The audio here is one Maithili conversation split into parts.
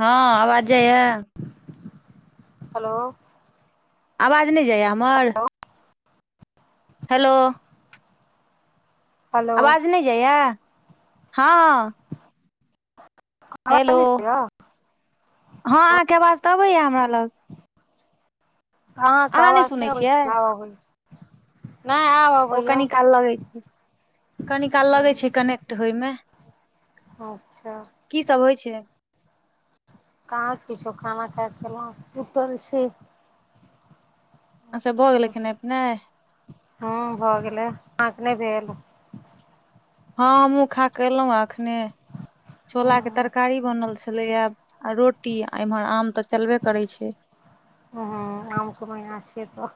हँ आवाज जा हाय हेलो आवाज नहि जाइये हमर हेलो हेलो आवाज नहि जाइये हँ हेलो आवाज नै जाइया हँ अहाँके आवाज तऽ अबैया हमरा लग अहाँके अहाँ आवाज सुनै नहि अबै छियै छैलय नहि आब अबैये कनि काल लगै छैय हँ कनेक्ट होय मे अच्छा की सब होय छैय कहाँ किछो खाना खाय के एलहुँ सुतल छी अच्छ भऽ गेलय खेनाय पिनाय हँ भऽ गेलै अहाँके नहि भेल हँ हमहुूँ खा के एलहुँ अखने छोलाक तरकारी बनल छलैये आ रोटी आ एम्हर आम तऽ चलबे करैत छैय हँ आमक मैहिना छिय तऽ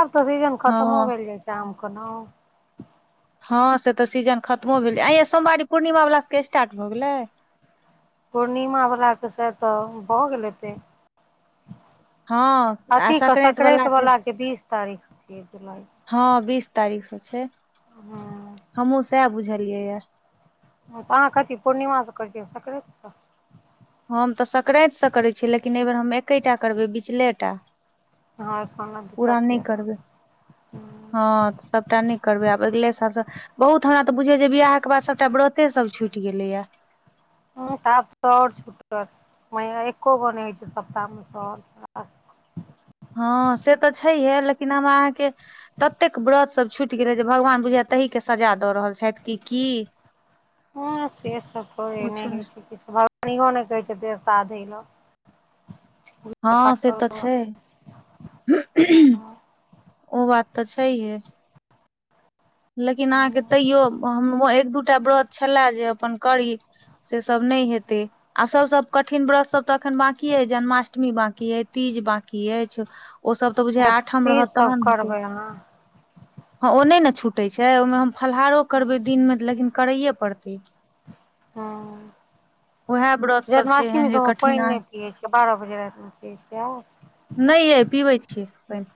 आब तऽ सीजन हँ खतमो भेलैय जाय छैय [unintelligible] के नाउ हँ से तऽ सीजन खत्मो भेलै ऐंय यै सोमवारी पूर्णिमावला सबके स्टार्ट भऽ गेलैय पूर्णिमा वलाके शायत भऽ गेल हेतै हँ आ अथीेके् संक्रान्ति वाला संकरााति के वलाक बीस तारीख से छियै जुलाई हँ बीस तारीख सऽ छैय हँ हमहुूँ सैह बुझलियै यऽ अहाँ कथी पूर्णिमा से करतै छियै कि संक्राइत सऽ हम तऽ सक्रातिसँ करैत छियै लेकिन एहि बेेर हम एकेटा करबै बिचले टा हँ कोनो पूरा दिक्कत य नहि ने करबै ह हँ सभटा नहि करबै आब अगले साल सँ बहुत हमरा तऽ बुझियौ जे बियाह के बाद सभटा व्रते सब छुटि गेलैये हँ आब तऽ और छुटत एको गो नहि होय छैय सप्ताह मे सहल हँ से तऽ छैयिहे लेकिन हम अहाँके ततेक व्रत सब छुटि गेलै जे भगवान बुझाय तही के सजा दऽ रहल छथि कि की हँ से सब तऽ एहने पूछू नहि होइत छैय भगवान इहो नहि कहै छैथ देह साधि लिय हँ से तऽ छैय हुँ हुहुओ उऽ बात तऽ छैयहे लेकिन अहाँके तैयो हम एक दूटा व्रत छलय जे अपन करी से सब नहि हेतैय आ सभ सँ कठिन व्रत सभ तऽ एखन बाँकी अइ जन्माष्टमी बाँकी अइ तीज बाँकी अछि ओ सभ तऽ बुझे आठम भक्ति रहत सब तहन होेतै करबै अहाँ हँ ओ नय ने छूटै छै ओहिमे हम फलाहारो करबै दिन मे तऽ लेकिन करैए पड़तै हँ उएह व्रत सब छै जन्माष्टमी एहन जे सभ मे पानि कठिन अइ नहि पियै छैय बारह बजे रातिमे पियै छैय नहि यै पीबै छियै पानि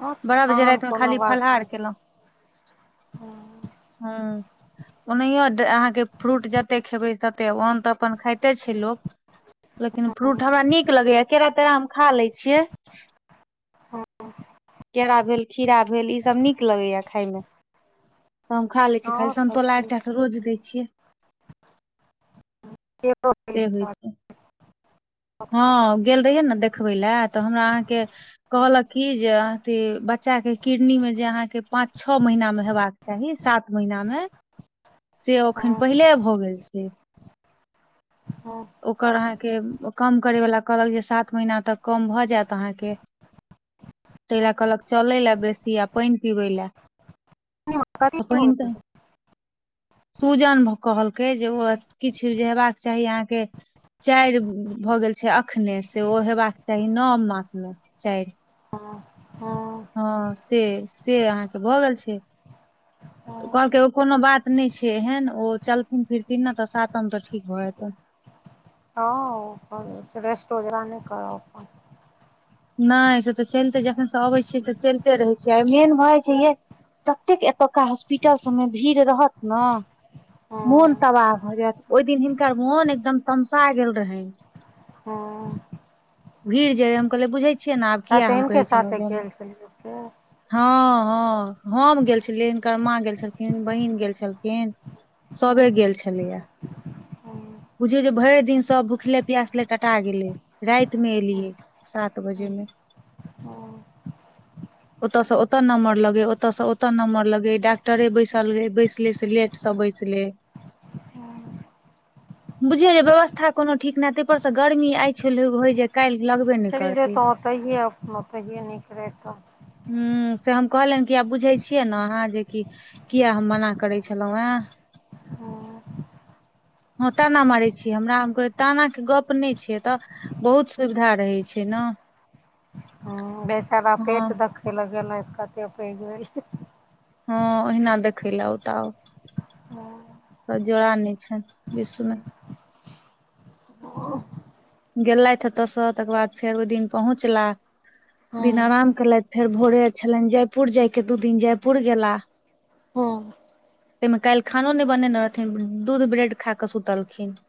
हँ बारह बजे तहन राति मऽ कोनो खाली बात नहि फलाहार छै केलहुँ हँ ओनहियो अहाँके फ्रूट जते खेबै तते ओन तऽ अपन खाइते छैय लोक लेकिन फ्रूट हमरा नीक लगैये केरा तेरा हम खा लय छियै हँ केला भेल खीरा भेल ई सब नीक लगैया खाय मे तऽ हम खा लै छियै खाली समतोला एकटा कऽ रोज दै छियै से होइ [unintelligible] छै हँ गेल रहियै नऽ देखबै लए तऽ हमरा अहाँ के कहलक की जे अथी बच्चा के किडनी मे जे अहाँके पांच छओ महीना मे हेबाक चाही सात महिना मे [inaudible] से एखन हँ पहिले भऽ गेल छैय हँ ओकर अहाँके कम करय वला कहलक जे सात महीना तक कम भऽ जायत अहाँके तय लए कहलक चलय लए बेसी आ पानि पीबै लए कथी [unintelligible] तय पानि होइ तायन छै सूजन कहलकै जे ओ किछु जे हेबाक चाही अहाँके चारि भऽ गेल छै एखने से ओ हेबाक चाही नओ मासमे चारि हँ हँ हँ से से अहाँके भऽ गेल छै कहलकै ओ कोनो बात नहि छै एहन ओ चलथिन फिरथिन ने तऽ सातम तऽ ठीक भऽ जेतेन हँ ओ रेस्ट वगैरह नहि कर अपन नहि से तऽ चलिते जखन से अबै छियै तऽ चलिते रहै छियै आ मेन भऽ जाइ छै ये ततेक एतुका हॉस्पिटल सब मऽ भीड़ रहत नऽ मोन अपन तबाह भऽ जायत ओहि दिन हिनकर मोन एकदम तमसा गेल रहैन हँ भीड़ जे या हम कहल बुझै छियै ने आब किया अच्छा हम हिनके कहै छलहुँ साथे ज गेल छलियै से हँ हँ हम गेल छलिय हिनकर मां गेल छलखिन बहिन गेल छलखिन सबे गेल छलैया बुझियौ जे भरि दिन सब भुखले प्यासले टटा गेले राति मे एलियै सात बजे मे [inaudible] ओतऽ सऽ ओतऽ नंबर लगै ओतऽ सऽ ओतऽ नंबर लगै डाक्टरे बैसल रहे बैसले से लेट स बैसलै हूं बुझियौ जे व्यवस्था कोनो ठीक नै तै पर स गर्मी आइ होय जे काल्हि लगबे नै चलि जेतो ओतहिए अपनो ओतहिए नीक रहितौ हूं से हम कहलनि कि आब बुझै छियै ने अहाँ जेकि किया हम मना करै छलहुँ हे हँ हँ ताना मारै छी हमरा हम कहली ताना के गप नय छै एतऽ बहुत सुविधा रहै छै न हं बेचारा हँ पेट दखै लए गेलै कते पैग भेल हँ ओहिना देखै ला आउता ओऽ हँ तऽ जोड़ा नय छथि विश्वमे गेलथि ओतयसँ तकर बाद फेर ओई दिन पहुँचला दिन हँ आराम केयलथि फेर भोरे छलनि जयपुर जायके दू दिन जयपुर गेला [inaudible] हँ तै मे काल्हि खानो नय बनेने रहथिन दूध ब्रेड खा कऽ सुतलखिन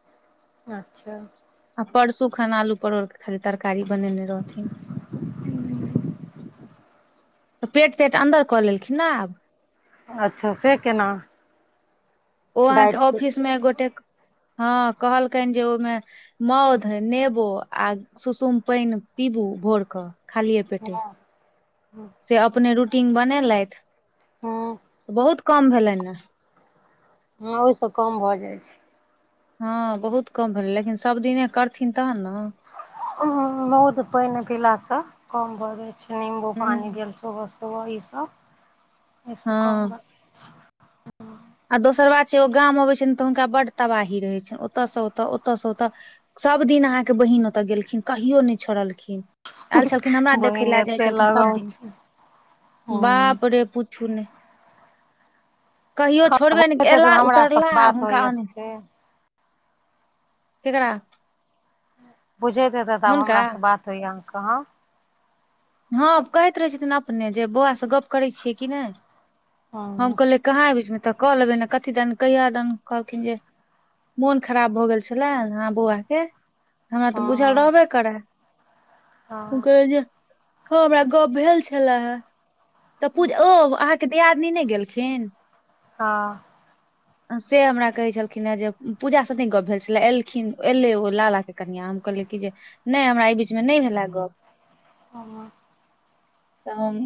अच्छा आ परसू खन आलू परोर के खाली तरकारी बनेने रहथिन तऽ पेट तेट अन्दर कऽ लेलखिन ने आब अच्छा से केना ओ अहाँके डाइट ऑफिस मे एक गोटेक हँ कहलकनि जे ओहिमे मौध नेबो आ सुसुम पानि पीबू भोर क खालिए पेटे हू से अपने रूटींग हँ बनेलथि बहुत कम भेलनि हे हँ ओहिसँ कम भऽ जाइ छै हँ बहुत कम भेलै लेकिन सब दिने करथिन तहन न मौध पानि पीलासँ कम भऽ जाइ छै निम्बू पानि हूँ भेल सेहो सब वही स एहिस काम हँ बै छै आ दोसर बात छै ओ गाम अबै छनि तऽ हुनका बड तबाही रहै छनि ओतयसँ ओतऽ ओतयसँ ओतऽ सभ दिन अहाँके बहिन ओतय गेलखिन कहियो नय छोड़लखिन आयल छलखिन हमरा देखे बहिन लए जाइ एते छलखिन सब लगाव दिन छै हूँ बाप रे पूछू नै कहियो छोड़बे ने बुझैत हेतै तऽ एला हमरासँ उतरला बात हुनका होइए ओन् से केकरा बुझति हेतथि तऽ आब हुनका हमरास से बात होइया अहां कहाँ हँ कहती रहै छथिन अपने जे बौआसँ गप्प करै छियै कि नय हम हँ कहलियै कहाँ अय बीच मे तऽ कऽ लेबै ने कथी दन कहिया दिन कहलखिन जे मोन खराब भऽ गेल छेला आहां बौआ के हमरा तऽ बुझल हँ रहबे करै हँ कहे जे ह हमरा गप्प भेल छलए तऽ पूज ओ अहाँके दियादनी नय गेलखिन हँ से हमरा कहै छलखिन हेँ जे पूजासँ नहि गप्प भेल छलए एलखिन एलै ओ लाला के बेटी कनिआ हम कहलियै कि जे नय हमरा अई बीच मे नय भेला गप्प तहन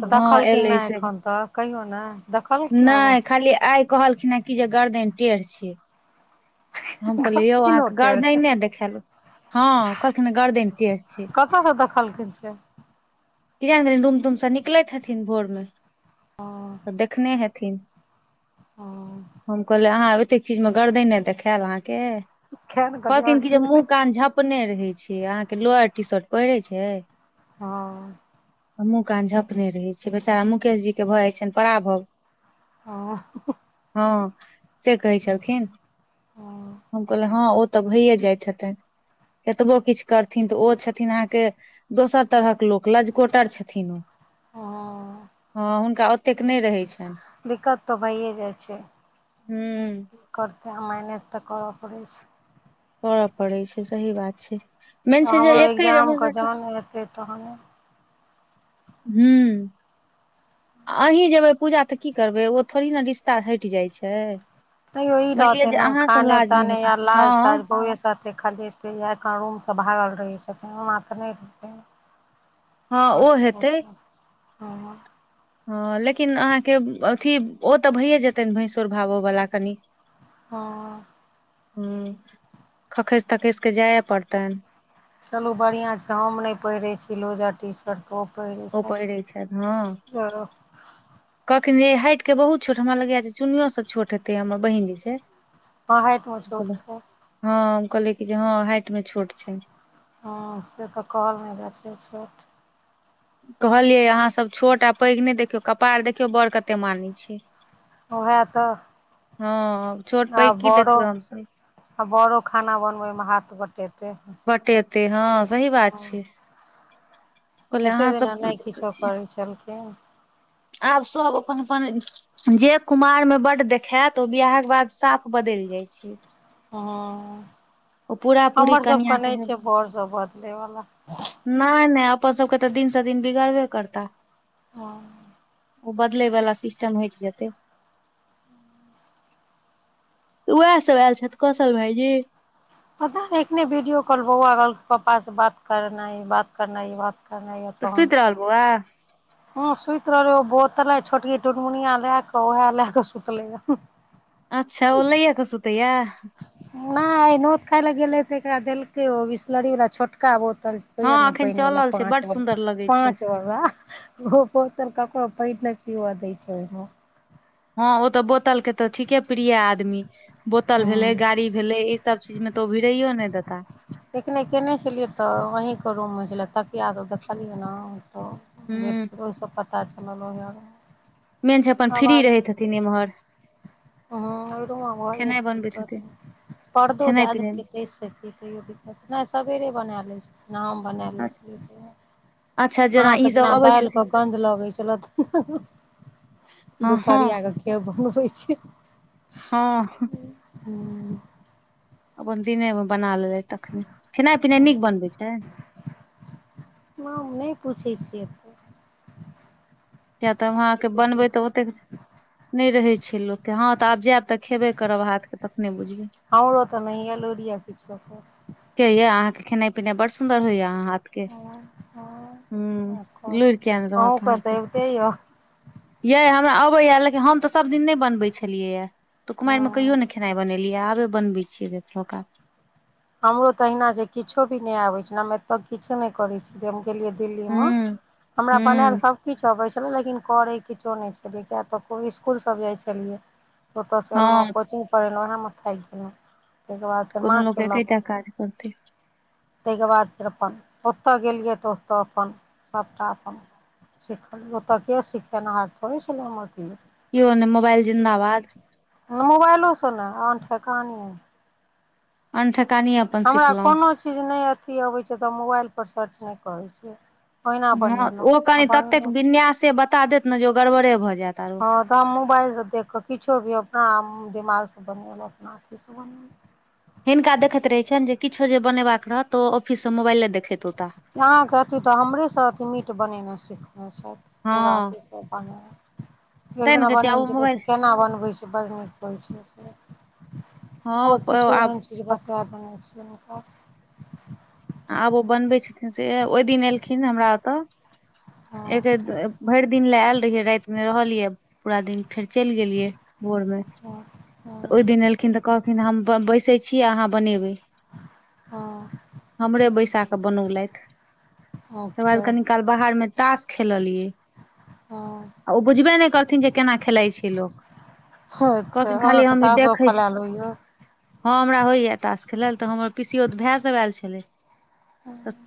तऽ हँ देखलखिन एलै नहि से एखन तऽ कहियौ ने देखलखिन आब ओ नहि खाली आइ कहलखिन हेँ कि जे गर्दनि टेढ़ छै। हम कहलियै यौ कथिन ओ अहाँके टेढ़ छै गर्दनि देखेलह हँ कहलखिन गरदेन टेढ़ छै। [unintelligible] देख्लाखिन छै कि जनि रूम तूम सब निकलैत हथिन भोर मे ओ तऽ देखने हेथिन। [unintelligible] हम कहलेै अहाँ एतेक चीज मे गर्दै नहि देखायल अहाँ के खै ने कहलियै आओर कहलथिन कि जे चीज नहि मुँह कान झप अपने रहै छिय अहाँके लोअर टी शर्ट पहिरे छै। हँ मुंह कान झपने रहै छियै बच्चारा मुकेश जीके भऽ जाइ छनि पराा भग हँ हँ से कहै छलखिन हँ हम कहल हँ ओ त ओत भइये जाइत हेतय कतबो किछु करथिन तऽ ओ छथिन अंहाकेँ दोसर तहेक लोक- लजकोटर छथि ओ। हँ हँ हुनका ओतेक नहि रहै छैय। दिक्कत तऽ भइए जाइ छैय हुं कि करतेय माइनेज तऽ करअ पड़ैय छैय करय पड़े छै सही बात छै मेन छै जे एकई रमेशठ फेर तहन हू आ अहीं जेयबै पूजा तऽ की करबै ओ थोड़ी नऽ रिश्ता हटि जाइ छै। तैो ई मानि लिअ रहते जे ने अहाँ से खाने लाज नहि ताने हेतै या लाज हँ ताज ब े खलते या एखन रूम सब भागल रहे छथिन ओना तऽ नहि रहे [unintelligible] हँ ओ हेतय [unintelligible] हँ लेकिन अहाँके अथि ओ तऽ भैये जेतनि भैंसुर भाबोवला कनि। हँ हू खखसि तखसि के जाय पड़ितनि चलू बढ़िआँ छैय हम नहि पहिरैय छी लुजर टीशर्ट। ओ पहिरै [unintelligible] कहलखिन्ह जे हाइट के बहुत छोट हमरा लगैये जे चुन्नियो से छोट हेतैय हमर बहिन जे छैय। हँ हाइट मऽ छोट छैय। हँ हम कहलियेकि जे हँ हाइट मऽ छोट छैय हँ सेतऽ कहल नहि जाइ छैय छोट कहलियै अहाँसभ छोट आ पैघ नहि देखियौ कपार देखियौ बड़ कते मानै छैय। ओहि तऽ हँ छोट पैघ आब की बड़ो देखबैय हमसब। आ बरों खाना बनबैय मऽ हाथ बटेतेयह ते हँ सहीबात छिये। कहलिए एते अहाँसब दिना की नहि देखैय किछो छियै। करै छलखिन आब सब अपन- अपन जे कुमार मऽ बड्ड देखैत ओ बियाहक बाद साफ बदैल जाइ छैय। हँ पूरा पूरी हम्मर सब कनिया कऽ नय के छै बर सब बदलैय वला। नय - नय अपन सबके तऽ दिन सँ दिन बिगड़बे करता। हँ ओ बदलैय वला सिस्टम हइट जेतैय। तऽ वैह सब आयल छैथ कौशल भायजी पता नय एखने वीडियो कॉल बौआ रहैय पपा सँ बात करनाय यऽ बात करनाय यऽ बा तऽ सुइत रहल बौआ हँ सुइत रहलैय ओ बोतल आय छोटकी टुनमुनिया लैय कऽ ओहै लै कऽ सुतलै य अच्छऽ ओ लैये कऽ सुतै यऽ नय आय नोत खाय लऽ गेलै तऽ एकरा देलकै य ओ बिसलरी बला छोटका बोतल छैय होइ हँ य नऽ अखन पइन बला चलल छै पाँच बड बला सुन्दर लगै छै पाँच ब वैह ओहो बोतल ककड़ो पइन नय पीबअ दै छैय ओय मऽ। हँ ओ त बोतल केँ त ठीके प्रिये आदमी बोतल हूँ भेलैय गाड़ी भेलैय ई सब चीज मे तऽ ओ भिड़ैयो नय देताह एखने कयने छलियै तऽ अहि कऽ रूम होइ छलै तकिया सभ देखलियै हँ तऽ बेड हूँ शरोसँ पता चलल रहय [unintelligible] मेन छैय अपन फ्री रहैत हेथिन एम्हर हँ अहिठाम भऽ जाइ खेनाइ छैय बनबैत दिक्कत हेथिन पर्दो खेनाइ देय पिनाइ देलकै तैय सँ की तयो दिक्कत नय सबेरे बना लै छै हम बना मे। लै छियै अच्छा अहाँ ई कऽ सब जेना अबै दाइल कऽ छथिन गन्ध लगै छला हँ हँ दुपहरिया कऽ के बनबै छै हँ [inaudible] अपन दिनेमे बना लेलैथ तखने खेनाइ पिनाइ नीक बनबै छैन हम नय पूछै छियै की किया तऽ आब अहाँ कऽ पूछबै बनबै तऽ ओतेक नय रहै छैय लोक केँ हँ तऽ आब जैव तऽ खेबे करब हाथ केँ तखनेय बुझबैय हमरो तऽ नहिये लूइर यऽ किछो कऽ। ठिके य अहाँके खेनाइ पिनाइ बड़सुंदर होइये अहाँक हाथ केँ हुँ लूइर किया नय रहत अहूँके अहाँकेँ तैयो ये हमरा अबै य लेकिन हम तऽ सबदिन नय बनबैय छलियै यऽ तऽ कुमाइरमे कहिओ नैय खेनाय बनेलियै आबे बनबै छियै केखनो काल हमरो त अहिना छै किछो भी नय आबे छै हम एतऽ किछो नय करै छी हम जे गेलियै दिल्ली मऽ हूँ हमरा बनैल हूँ सब किछ अबेय छले लेकिन करै किछो नय छलै किया तऽ इसकुल सब जाय छलियै ओता सँ एलो हँ कोचिंग करलौऊ ओहएमे थाइक गेलहुँ ताहि केँ बाद तऽ माँ एकैटा काज करतै ताहि केँ बाद फेर अपन ओतऽ गेलियै तऽ ओतऽ अपन सभटा अपन सिखलियै ओतऽ केँ सिखेनहार थोड़ी छलै हमर कियौ कियो नय मोबाइल जिन्दाबाद मोबाइलो सँ नय अनठकानीये अनठकानीये हमरा कोनो चीज नहि अथी अबैत छै तऽ मोबाइल पर सर्च नहि करै छियै ओहिना हँ बनेलहुँ ओ आ कनि ततेक बनेलहुँ विन्यासे बता देत नऽ जे ओ गड़बड़े भऽ जायत आरो हँ तऽ हम मोबाइलसँ देख कऽ किछो भी अपना दिमागसँ बनेलौ अपना अथीसँ बनेलौ हिनका देखैत रहैत छियनि जे किछो जे बनेबाक रहत तऽ ओ ऑफिससँ मोबाइल देखैत ओ एताह अहाँके अथि तऽ हमरेसँ अथि मीट बनेनाइ सिखने छथि पूरा हँ एथीसँ- [unintelligible] एक तैं ने दिना कहै छियै आब बनेने ओ छै मोबाइल केना बनबैय छै बड नीक हँ [unintelligible] आओर किछो आब एहन छै जे बता देने छिय हुनका आब ओ बनबै छथिन से ओहि दिन एलखिन हमरा ओतऽ [unintelligible] हँ भरि दिन लए आयल रहियै रातिमे रहलियै पूरा दिन फेर चलि गेलियै भोर मे [unintelligible] ओहि दिन एलखिन तऽ कहलखिन हम बैसै छी अहाँ बनेबै हँ हमरे बैसा कऽ बनौलथि तकर बाद अच्छा कनि काल बाहर मे तास खेललियै हँ आ ओ बुझबे नहि करथिन जे केना खेलाइ छै लोक अच्छा कहलखिन खाली अहाँके हम ई तासो देखै छी खलैल होइया‍ हँ हमरा होइए ताश खेलायल तऽ हमर पीसीओतऽ भाइ सभ आयल छलैय [unintelligible]